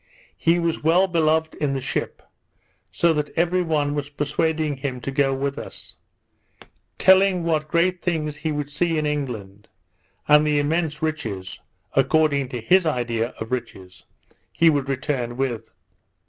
He was well beloved in the ship; so that every one was persuading him to go with us; telling what great things he would see in England, and the immense riches (according to his idea of riches) he would return with.